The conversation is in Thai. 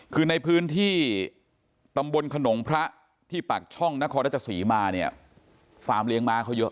คือในพื้นที่ตำบลขนงพระที่ปากช่องนครรัชศรีมาเนี่ยฟาร์มเลี้ยงม้าเขาเยอะ